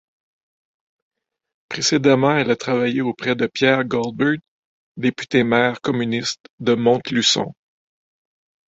Précédemment elle a travaillé auprès de Pierre Goldberg, député-maire communiste de Montluçon.